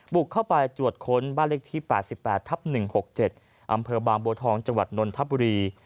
บุกเข้าไปตรวจค้นบ้านเลขที่๘๘ทับ๑๖๗อำเภอบางบัวทองจังหวัดนนทบุรี